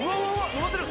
登ってる！